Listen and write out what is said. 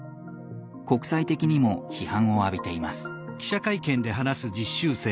国際的にも批判を浴びています。